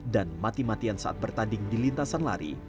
dan mati matian saat bertanding di lintasan lari